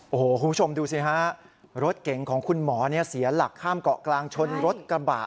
โอ้โหคุณผู้ชมดูสิฮะรถเก๋งของคุณหมอเสียหลักข้ามเกาะกลางชนรถกระบะ